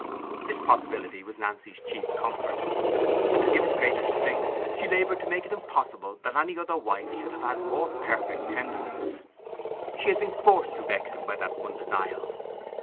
This possibility was Nancy's chief comfort; and to give it greater strength, she laboured to make it impossible that any other wife should have had more perfect tenderness. She had been forced to vex him by that one denial.